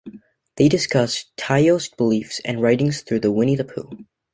They discuss Taoist beliefs and writings through Winnie-the-Pooh.